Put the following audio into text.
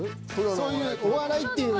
そういうお笑いっていう。